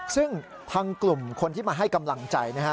ซึ่งทางกลุ่มคนที่มาให้กำลังใจนะฮะ